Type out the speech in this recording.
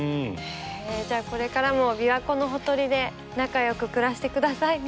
じゃあこれからも琵琶湖のほとりで仲良く暮らしてくださいね。